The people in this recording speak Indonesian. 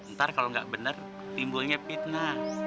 ntar kalau gak bener timbulnya fitnah